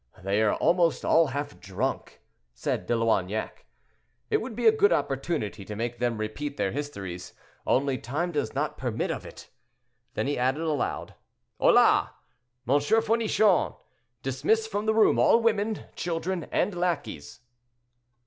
"They are almost all half drunk," said De Loignac; "it would be a good opportunity to make them repeat their histories, only time does not permit of it." Then he added aloud, "Hola! M. Fournichon, dismiss from the room all women, children and lackeys."